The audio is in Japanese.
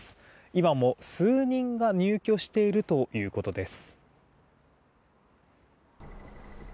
今も数人が入居しているということです。